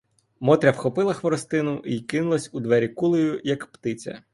Мотря вхопила хворостину й кинулась у двері кулею, як птиця.